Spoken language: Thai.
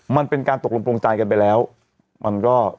มันเป็นการตกลงโปรงใจกันไปแล้วมันก็